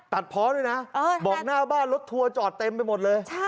ตัดเพราะด้วยนะ